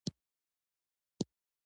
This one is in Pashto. کله چې یې ناروغ ولید سمدستي یې وویل.